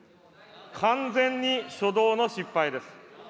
完全に初動の失敗です。